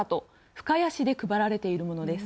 深谷市で配られているものです。